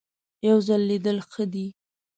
یو ځل لیدل ښه دي .